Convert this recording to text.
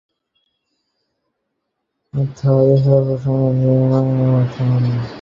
অর্থাৎ এ প্রসঙ্গ বাদ দিয়ে অন্য প্রসঙ্গে কথা বল।